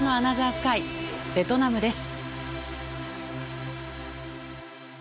スカイベトナムです。